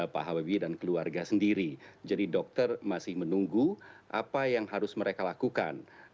pak habibie dan keluarga sendiri jadi dokter masih menunggu apa yang harus mereka lakukan